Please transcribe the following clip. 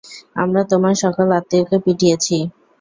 আমরা তোমার সকল আত্মীয়কে পিটিয়েছি।